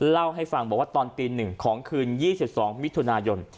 เล่าให้ฟังบอกว่าตอนตี๑ของคืน๒๒มิถุนายน